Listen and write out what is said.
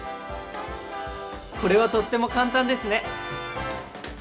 これはとっても簡単ですね！